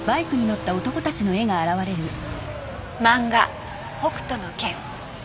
漫画「北斗の拳」。